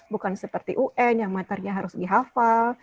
bukan seperti un yang matarnya harus dihafal